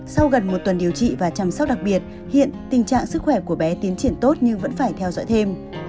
sau gần một tuần điều trị và chăm sóc đặc biệt hiện tình trạng sức khỏe của bé tiến triển tốt nhưng vẫn phải theo dõi thêm